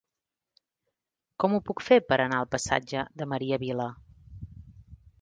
Com ho puc fer per anar al passatge de Maria Vila?